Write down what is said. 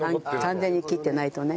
完全に切ってないとね。